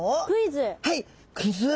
はいクイズ。